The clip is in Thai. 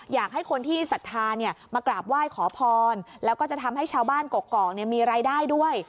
อยากให้คนที่ศรัทธาเนี่ยมากราบไหว้ขอพรแล้วก็จะทำให้ชาวบ้านกกอกมีรายได้ด้วย